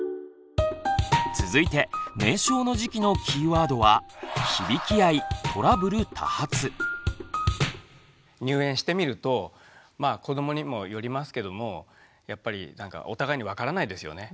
続いて年少の時期のキーワードは入園してみるとまあ子どもにもよりますけどもやっぱりお互いに分からないですよね。